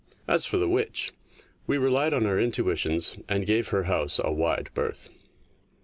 As for the witch, we relied on our intuitions and gave her house a wide berth.